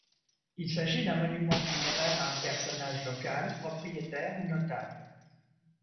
Il s’agit d’un monument funéraire à un personnage local, propriétaire ou notable.